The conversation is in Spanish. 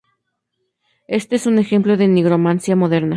Este es un ejemplo de nigromancia moderna.